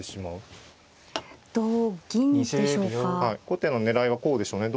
後手の狙いはこうでしょうね。